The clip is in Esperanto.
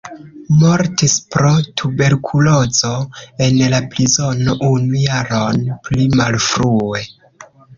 Mortis pro tuberkulozo en la prizono unu jaron pli malfrue.